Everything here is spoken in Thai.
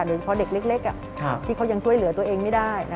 โดยเฉพาะเด็กเล็กที่เขายังช่วยเหลือตัวเองไม่ได้